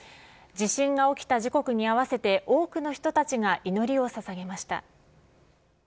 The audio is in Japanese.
地震が起きた時刻に合わせて、多くの人たちが祈りをささげました。